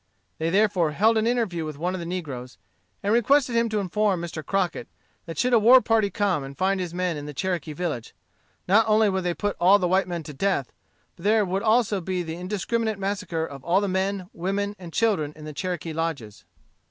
They therefore held an interview with one of the negroes, and requested him to inform Mr. Crockett that should a war party come and find his men in the Cherokee village, not only would they put all the white men to death, but there would be also the indiscriminate massacre of all the men, women, and children in the Cherokee lodges.